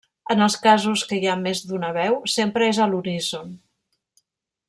En els casos que hi ha més d'una veu, sempre és a l'uníson.